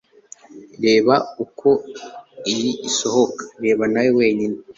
reba uko iyi isohoka. reba nawe wenyine